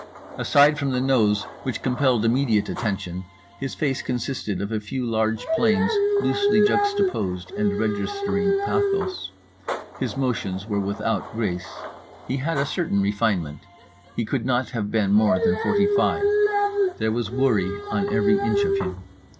Aside from the nose which compelled immediate attention, his face consisted of a few large planes loosely juxtaposed and registering pathos. His motions were without grace. He had a certain refinement. He could not have been more than forty five. There was worry on every inch of him.